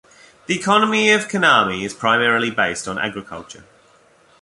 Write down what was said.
The economy of Kannami is primarily based on agriculture.